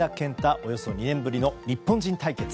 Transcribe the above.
およそ２年ぶりの日本人対決。